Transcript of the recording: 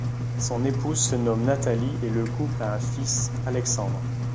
Son épouse se nomme Nathalie et le couple a un fils, Alexandre.